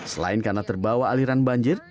selain karena terbawa aliran banjir